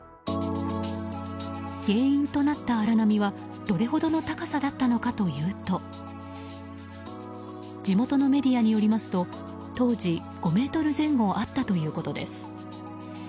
原因となった荒波はどれくらいの高さだったのかというと地元のメディアによりますと当時、５ｍ前後あったということです。